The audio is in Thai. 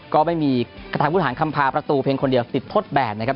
ก็ไม่มีคาทาพุทธฐานคำพาประตูเพียงคนเดียวติดทดแบนนะครับ